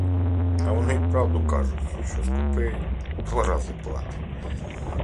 А воно, правду кажуть, що скупий два рази платить.